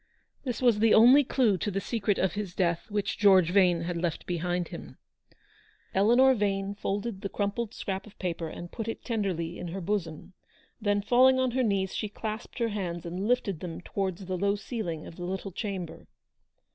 This was the only clue to the secret of his death which George Yane had left behind him. Eleanor Yane folded the crumpled scrap of paper, and put it tenderly in her bosom. Then, falling on her knees, she clasped her hands, and lifted them towards the low ceiling of the little chamber.